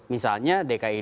misalnya dki dua